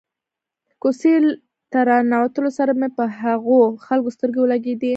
کوڅې ته له را ننوتلو سره مې پر هغو خلکو سترګې ولګېدې.